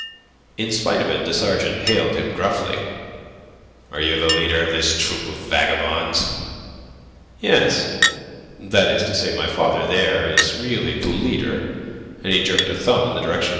In spite of it the sergeant hailed him gruffly: "Are you the leader of this troop of vagabonds?" "Yes... that is to say, my father, there, is really the leader." And he jerked a thumb in the direction of M.